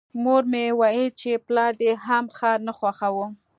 مور یې ویل چې پلار دې هم ښار نه خوښاوه